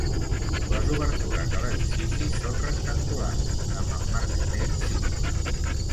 Les obertures de l'edifici són rectangulars, amb emmarcament simple.